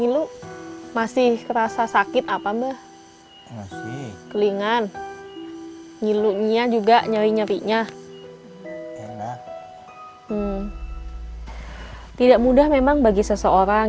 yang masih sakit apa mbah masih keringan ngilunya juga nyari nyari nya enak tidak mudah memang bagi seseorang